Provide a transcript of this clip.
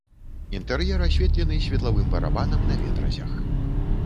Інтэр'ер асветлены светлавым барабанам на ветразях.